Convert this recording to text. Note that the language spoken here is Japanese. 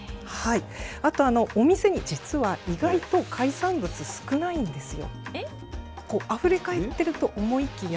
あと、お店に実は意外と海産物少ないんですよ。